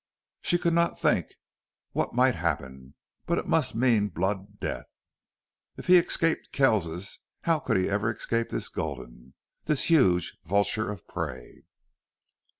She could not think what might happen, but it must mean blood death. If he escaped Kells, how could he ever escape this Gulden this huge vulture of prey?